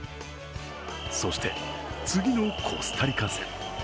そして、次のコスタリカ戦。